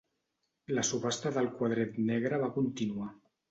La subhasta del quadret negre va continuar.